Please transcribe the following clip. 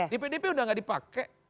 di pdp udah gak dipakai